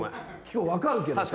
今日分かるけどさ。